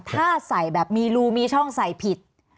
ถ้าใส่แบบมีรูมีช่องใส่ผิด